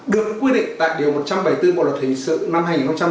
được quy định tại điều một trăm bảy mươi bốn bộ luật hình sự năm hai nghìn một mươi năm